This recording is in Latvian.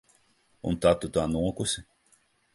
Un tad tu tā nokusi?